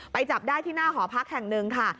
จับได้ที่หน้าหอพักแห่งหนึ่งค่ะ